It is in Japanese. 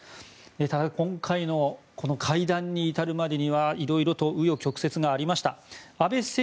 ただ、今回のこの会談に至るまでにはいろいろと紆余曲折がありました。